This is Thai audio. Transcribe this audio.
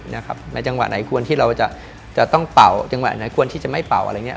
ในจังหวะไหนควรที่เราจะต้องเป่าจังหวะไหนควรที่จะไม่เป่าอะไรอย่างนี้